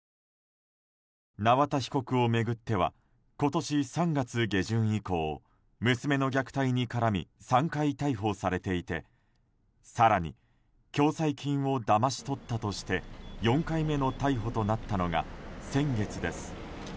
縄田被告を巡っては今年３月下旬以降娘の虐待に絡み３回逮捕されていて更に、共済金をだまし取ったとして４回目の逮捕となったのが先月です。